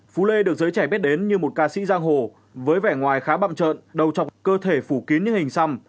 phú lê được giới trẻ biết đến như một ca sĩ giang hồ với vẻ ngoài khá bậm trợn đầu chọc cơ thể phủ kín như hình xăm